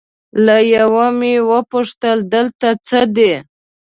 له یوه مې وپوښتل دلته څه دي؟